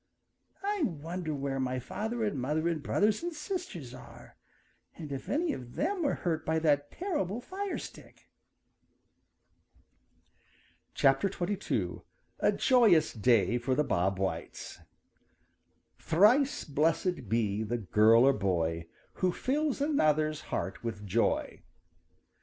I wonder where my father and mother and brothers and sisters are and if any of them were hurt by that terrible fire stick." XXII. A JOYOUS DAY FOR THE BOB WHITES ````Thrice blessed be the girl or boy ````Who fills another's heart with joy.